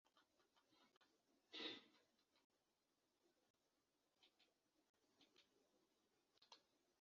Chen Qian was very pleased with him and never let him go away.